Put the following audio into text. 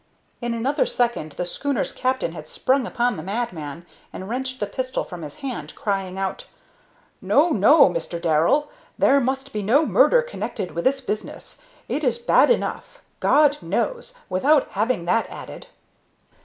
In another second the schooner's captain had sprung upon the madman and wrenched the pistol from his hand, crying out: "No, no, Mr. Darrell! There must be no murder connected with this business. It is bad enough, God knows, without having that added!"